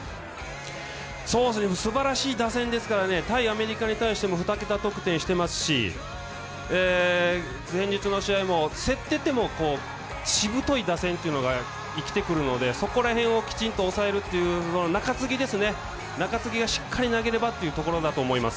すばらしい打線ですからね、対アメリカに対しても２桁得点してますし、前日の試合も競っててもしぶとい打線というのが生きてくるのでそこら辺をきちんと抑えるっていう中継ぎ投手がしっかり投げればというところです。